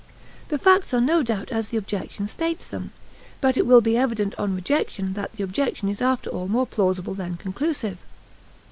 The facts are no doubt as the objection states them, but it will be evident on rejection that the objection is after all more plausible than conclusive.